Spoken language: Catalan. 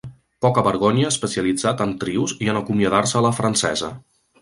Poca-vergonya especialitzat en trios i en acomiadar-se a la francesa.